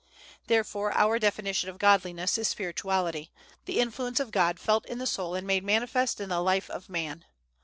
Therefore our definition of Godliness is spirituality, the influence of God felt in the soul and made manifest in the life of man.